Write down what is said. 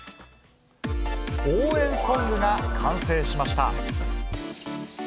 応援ソングが完成しました。